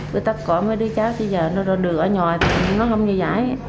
bữa tắt cỏ mấy đứa cháu thì giờ nó ra đường ở nhà thì nó không như vậy